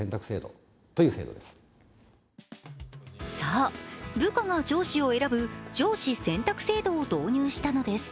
そう、部下が上司を選ぶ上司選択制度を導入したのです。